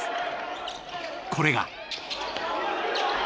これが。